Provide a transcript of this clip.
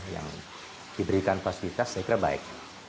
yang diberikan fasilitas saya kira baik